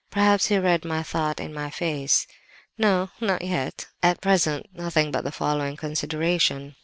Perhaps he read my thought in my face. "'No, not yet. At present nothing but the following consideration.